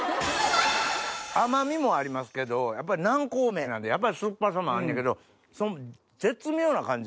甘みもありますけどやっぱり南高梅なんでやっぱり酸っぱさもあんねんけど絶妙な感じ。